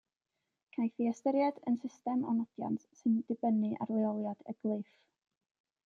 Caiff ei ystyried yn system o nodiant sy'n dibynnu ar leoliad y glyff.